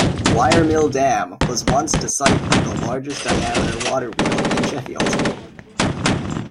Wiremill Dam was once the site of the largest diameter water-wheel in Sheffield.